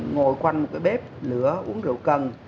ngồi quanh một cái bếp lửa uống rượu cần